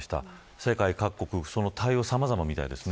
世界各国、その対応はさまざまみたいですね。